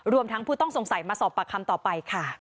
รวมทั้งผู้ต้องสงสัยมาสอบปากคำต่อไปค่ะ